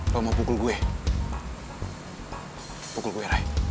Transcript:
kamu bukul gue bukul gue